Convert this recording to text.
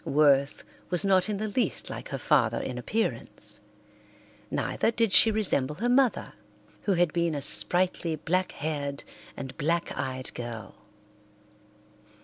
Worth was not in the least like her father in appearance. Neither did she resemble her mother, who had been a sprightly, black haired and black eyed girl.